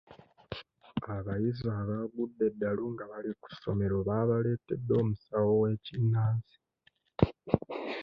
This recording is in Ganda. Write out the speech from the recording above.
Abayizi abaagudde eddalu nga bali ku somero baabaletedde omusawo w'ekinnansi.